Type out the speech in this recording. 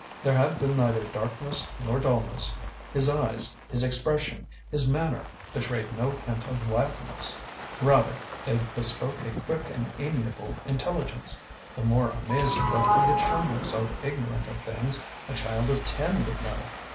There had been neither darkness nor dullness; his eyes, his expression, his manner, betrayed no hint of wildness; rather they bespoke a quick and amiable intelligence the more amazing that he had shown himself ignorant of things a child of ten would know.